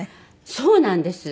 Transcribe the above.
そうなんです。